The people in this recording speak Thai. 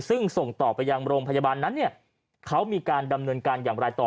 ซึ่งส่งต่อไปยังโรงพยาบาลนั้นเนี่ยเขามีการดำเนินการอย่างไรต่อ